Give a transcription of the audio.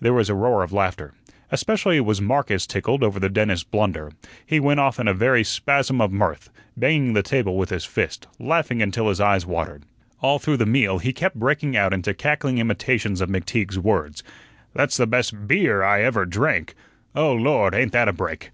There was a roar of laughter. Especially was Marcus tickled over the dentist's blunder; he went off in a very spasm of mirth, banging the table with his fist, laughing until his eyes watered. All through the meal he kept breaking out into cackling imitations of McTeague's words: "That's the best BEER I ever drank. Oh, Lord, ain't that a break!"